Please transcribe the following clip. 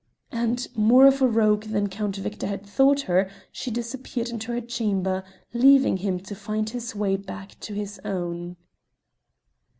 And, more of a rogue than Count Victor had thought her, she disappeared into her chamber, leaving him to find his way back to his own.